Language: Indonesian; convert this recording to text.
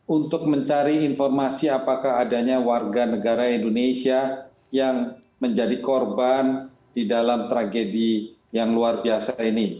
untuk mencari informasi apakah adanya warga negara indonesia yang menjadi korban di dalam tragedi yang luar biasa ini